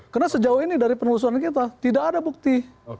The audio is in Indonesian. karena sejauh ini dari penelusuran kita tidak ada bukti